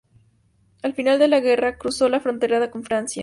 Al final de la guerra, cruzó la frontera con Francia.